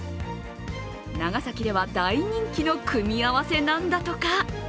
長崎では大人気の組み合わせなんだとか。